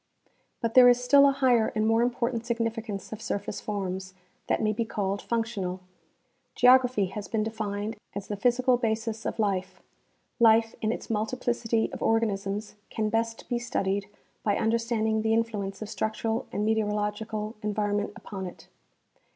But there is still a higher and more important significance of surface forms, that may be called functional. Geography has been defined as the physical basis of life ; life in its multi plicity of organisms can best be studied by understanding the influence of structural and meteorological environment upon it.